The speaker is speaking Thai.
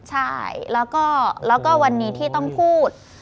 ใช่แล้วก็วันนี้ที่ต้องพูด